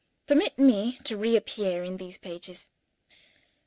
Permit me to reappear in these pages.